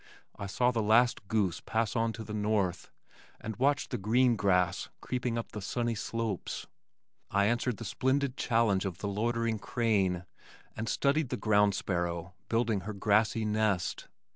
I saw the last goose pass on to the north, and watched the green grass creeping up the sunny slopes. I answered the splendid challenge of the loitering crane, and studied the ground sparrow building her grassy nest.